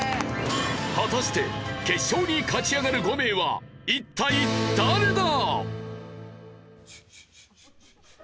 果たして決勝に勝ち上がる５名は一体誰だ？